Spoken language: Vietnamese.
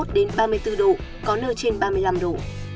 nhiệt độ cao nhất từ ba mươi một đến ba mươi bốn độ có nơi trên ba mươi năm độ